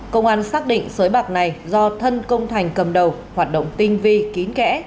công an xác định sới bạc này do thân công thành cầm đầu hoạt động tinh vi kín kẽ